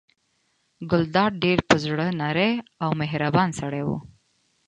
ګلداد ډېر په زړه نری او مهربان سړی و.